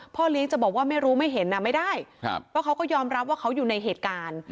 เลี้ยงจะบอกว่าไม่รู้ไม่เห็นไม่ได้เพราะเขาก็ยอมรับว่าเขาอยู่ในเหตุการณ์